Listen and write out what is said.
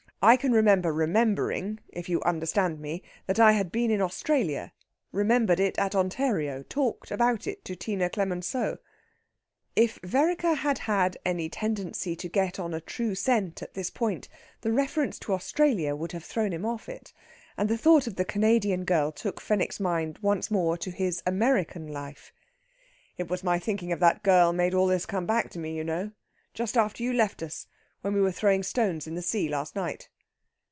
I can remember remembering if you understand me that I had been in Australia remembered it at Ontario talked about it to Tina Clemenceau...." If Vereker had had any tendency to get on a true scent at this point, the reference to Australia would have thrown him off it. And the thought of the Canadian girl took Fenwick's mind once more to his American life: "It was my thinking of that girl made all this come back to me, you know. Just after you left us, when we were throwing stones in the sea, last night...."